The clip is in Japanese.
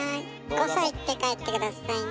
「５さい」って書いて下さいね。